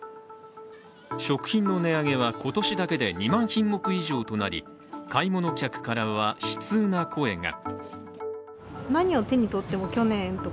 食品の値上げは今年だけで２万品目以上となり買い物客からは悲痛な声が。